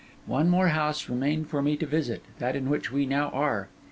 One more house remained for me to visit, that in which we now are.